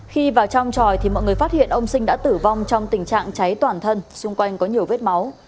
khi vào trong tròi thì mọi người phát hiện ông sinh đã tử vong trong tình trạng cháy toàn thân xung quanh có nhiều vết máu